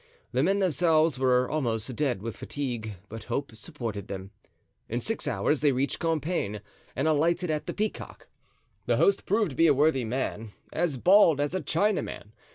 The men themselves were almost dead with fatigue, but hope supported them. In six hours they reached Compiegne and alighted at the Peacock. The host proved to be a worthy man, as bald as a Chinaman.